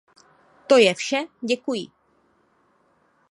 To je vše, děkuji.